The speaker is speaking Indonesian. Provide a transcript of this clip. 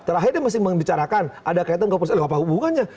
terakhir dia masih membicarakan ada kaitan koperasian apa hubungannya